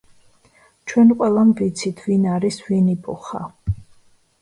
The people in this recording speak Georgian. ჩვენ ყველამ ვიცით ვინ არის ვინიპუხა.